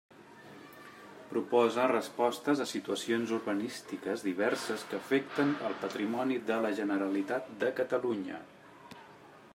Proposa respostes a situacions urbanístiques diverses que afecten el patrimoni de la Generalitat de Catalunya.